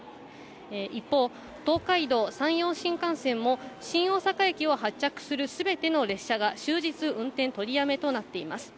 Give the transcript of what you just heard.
一方、東海道・山陽新幹線も新大阪駅を発着するすべての列車が終日、運転取りやめとなっています。